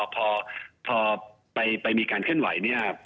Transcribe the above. พอไปมีการเคลื่อนไหวเนี่ย